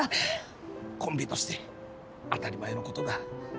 コンビとして当たり前のことだ。